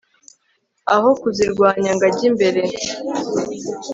aho kuzirwanya ngo ajye mbere